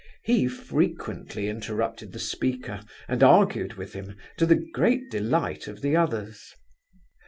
He frequently interrupted the speaker and argued with him, to the great delight of the others.